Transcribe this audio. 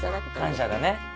感謝だね。